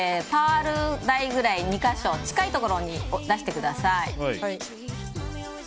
パール大ぐらいを２か所近いところに出してください。